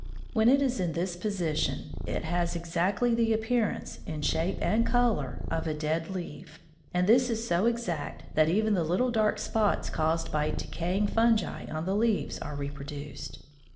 When it is in this position it has exactly the appearance, in shape and color, of a dead leaf, and this is so exact that even the little dark spots caused by decaying fungi on the leaves are reproduced.